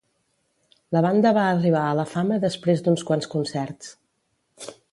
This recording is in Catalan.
La banda va arribar a la fama després d'uns quants concerts.